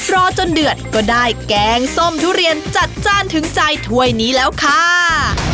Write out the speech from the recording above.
รอจนเดือดก็ได้แกงส้มทุเรียนจัดจ้านถึงใจถ้วยนี้แล้วค่ะ